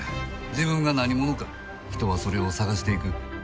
自分が何者か人はそれを探していく。